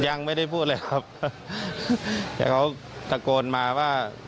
ยังไม่ได้พูดเลยครับแต่เขาตะโกนมาว่า